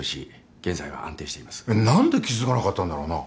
何で気付かなかったんだろうな。